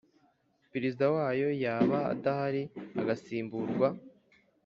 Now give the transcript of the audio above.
Perezida wayo yaba adahari agasimburwa